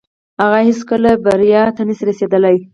هغه هيڅکه بريا ته نسي رسيدلاي.